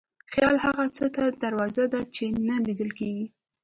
خیال هغه څه ته دروازه ده چې نه لیدل کېږي.